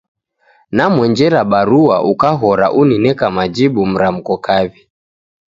Namwenjera barua ukaghora unineka majibu mramko kaw'i